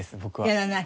やらない？